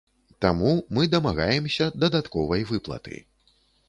Таму мы дамагаемся дадатковай выплаты.